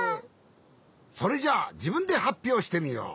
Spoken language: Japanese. それじゃあじぶんではっぴょうしてみよう。